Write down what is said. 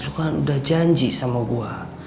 lu kan udah janji sama gua